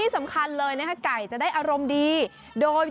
ซึ่งไข่จะมีขนาดใหญ่แล้วก็มีไข่แดงเป็นแฝดด้วยนะคะ